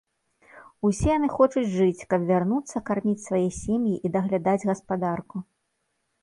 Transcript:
Усе яны хочуць жыць, каб вярнуцца карміць свае сем'і і даглядаць гаспадарку.